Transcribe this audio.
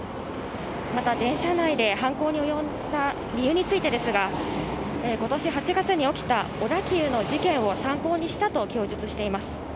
また電車内で犯行に及んだ理由についてですが、ことし８月に起きた小田急の事件を参考にしたと供述しています。